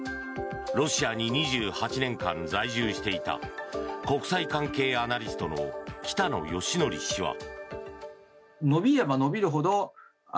ロシアに２８年間在住していた国際関係アナリストの北野幸伯氏は。